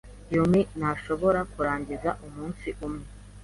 Yumi ntashobora kurangiza umunsi umwe.